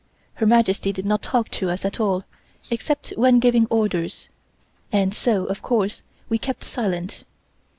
Her Majesty did not talk to us at all, except when giving orders, and so, of course, we kept silent.